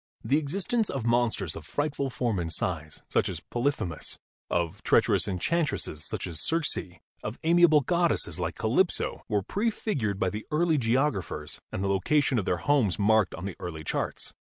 The existence of monsters of frightful form and size, such as Polyphemus; of treacherous enchantresses, such as Circe; of amiable goddesses, like Calypso, were prefigured by the early geographers and the location of their homes marked on the early charts.